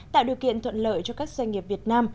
tạo điều kiện thuận lợi cho các doanh nghiệp việt nam